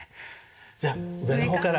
じゃあ上の方から。